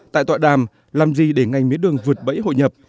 tại tọa đàm làm gì để ngành mía đường vượt bẫy hội nhập